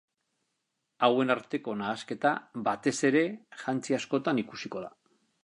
Hauen arteko nahasketa, batez ere, jantzi askotan ikusiko da.